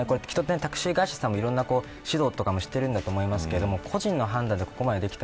タクシー会社さんもいろいろな指導していると思いますが個人の判断でそこまでできた。